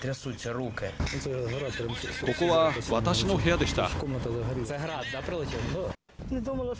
ここは私の部屋でした。